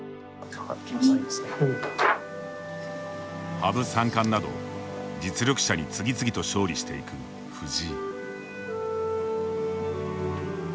羽生三冠など実力者に次々と勝利していく藤井。